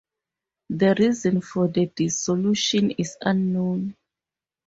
The reason for the dissolution is unknown.